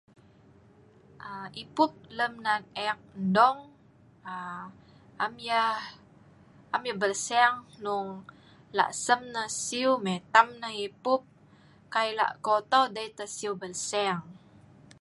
aa ipup lem nan eek dong aa am yah am yah belseiang hnung lasem nah siu, mei tam nah ipup kai lako tau dei tah siu belseiang